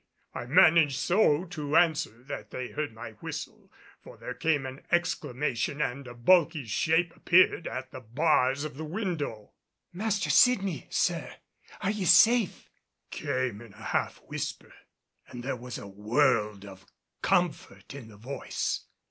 I managed so to answer that they heard my whistle, for there came an exclamation and a bulky shape appeared at the bars of the window. "Master Sydney, sir, are ye safe?" came in a half whisper, and there was a world of comfort in the voice.